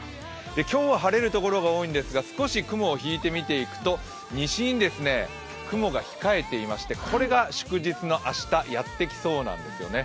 今日は晴れる所が多いんですが少し雲を引いて見ていくと西に雲が控えていましてこれが祝日の明日、やってきそうなんですよね。